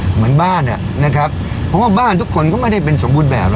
เหมือนบ้านอ่ะนะครับเพราะว่าบ้านทุกคนก็ไม่ได้เป็นสมบูรณ์แบบ